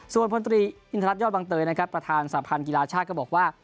ส่วนพลตรีอินทรัศยอดบังเตยนะครับประธานสาพันธ์กีฬาชาติก็บอกว่า